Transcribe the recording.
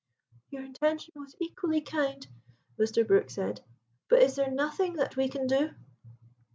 "Your intention was equally kind," Mr. Brook said. "But is there nothing that we can do?"